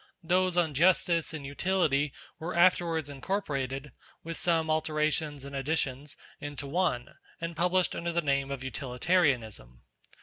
Those on Justice and Utility were afterwards incorporated, with some alterations and additions, into one, and published under the name of Utilitarianism.